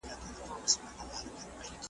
مخ اړوومه بیا یې ښۀ لۀ سړي ډېر اړووم